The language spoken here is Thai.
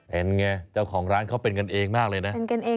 เห็นไงเจ้าของร้านเขาเป็นกันเองมากเลยนะ